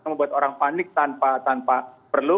membuat orang panik tanpa perlu